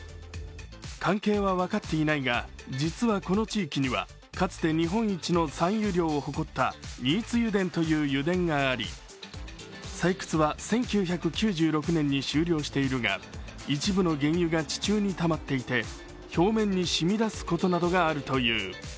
関係は分かっていないが、実はこの地域には、かつて日本一の産油量を誇った新津油田という油田があり、採掘は１９９６年に終了しているが、一部の原油が地中にたまっていて表面にしみ出すことなどがあるという。